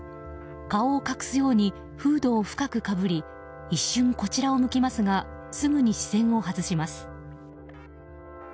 顔を隠すようにフードを深くかぶり一瞬こちらを向きますがすぐに視線を外します。